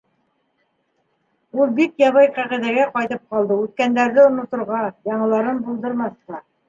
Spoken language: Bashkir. Ул бик ябай ҡағиҙәгә ҡайтып ҡалды: үткәндәрҙе оноторға, яңыларын булдырмаҫҡа.